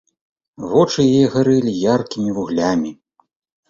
Вочы яе гарэлі яркімі вуглямі.